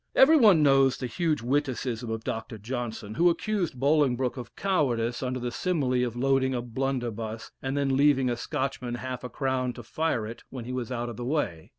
Every one knows the huge witticism of Dr. Johnson, who accused Bolingbroke of cowardice, under the simile of loading a blunderbuss, and then leaving a Scotchman half a crown to fire it when he was out of the way.